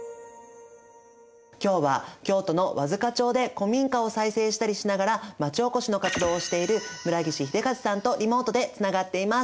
今日は京都の和束町で古民家を再生したりしながらまちおこしの活動をしている村岸秀和さんとリモートでつながっています。